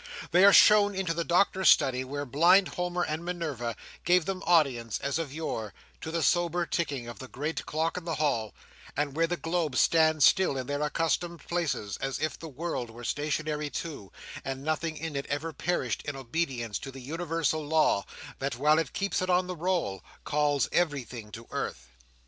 They are shown into the Doctor's study, where blind Homer and Minerva give them audience as of yore, to the sober ticking of the great clock in the hall; and where the globes stand still in their accustomed places, as if the world were stationary too, and nothing in it ever perished in obedience to the universal law, that, while it keeps it on the roll, calls everything to earth.